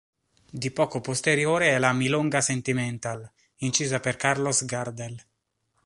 Di poco posteriore è la "Milonga sentimental", incisa per Carlos Gardel.